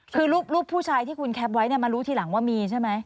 คือรูปผู้ชายที่คุณแคปไว้มารู้ทีหลังว่ามีใช่ไหม